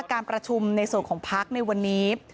การประชุมในส่วนของพักในวันนี้